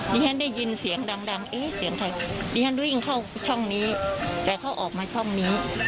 ฉันได้ยินเสียงดังดังเอ๊ะเสียงใครดิฉันวิ่งเข้าช่องนี้แต่เขาออกมาช่องนี้